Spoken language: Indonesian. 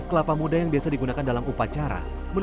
saya memanjarkan beberapa doa dan pertahanan